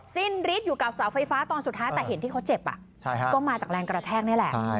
สิ้นฤทธิ์อยู่กับเสาไฟฟ้าตอนสุดท้ายแต่เห็นที่เขาเจ็บก็มาจากแรงกระแทกนี่แหละ